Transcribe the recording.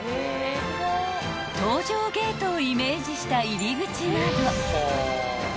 ［搭乗ゲートをイメージした入り口など］